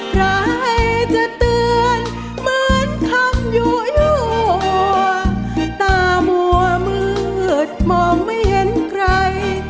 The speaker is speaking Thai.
ใครจะเตือนเหมือนทำอยู่ตามัวมืดมองไม่เห็นใคร